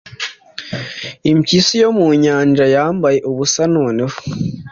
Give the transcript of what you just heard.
Impyisi yo mu nyanja yambaye ubusa noneho